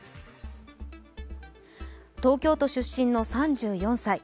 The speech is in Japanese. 東京都出身の３４歳。